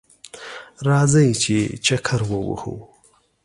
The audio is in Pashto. راځئ چه چکر ووهو